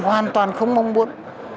hoàn toàn không mong muốn